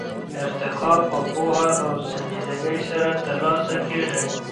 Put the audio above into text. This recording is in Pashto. ارتقا په پوهه او سنجيدګۍ سره ترلاسه کېږي.